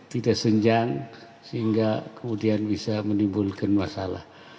tidak senjang sehingga kemudian bisa menimbulkan masalah